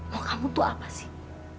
mau kamu tuh apa sih